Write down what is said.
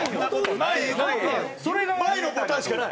前のボタンしかない？